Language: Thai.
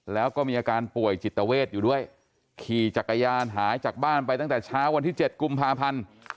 แล้วก็มีอาการป่วยจิตเวทอยู่ด้วยขี่จักรยานหายจากบ้านไปตั้งแต่เช้าวันที่๗กุมภาพันธ์